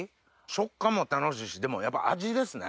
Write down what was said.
食感も楽しいしでもやっぱ味ですね。